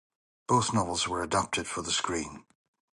Both novels were adapted for the screen.